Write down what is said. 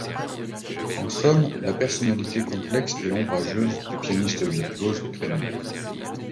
En somme, la personnalité complexe et ombrageuse du pianiste virtuose ukrainien.